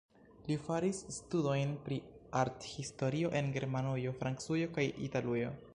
Li faris studojn pri arthistorio en Germanujo, Francujo kaj Italujo.